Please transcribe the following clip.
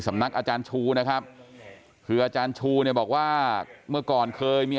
นักอาจารย์ชูนะครับคืออาจารย์ชูเนี่ยบอกว่าเมื่อก่อนเคยมี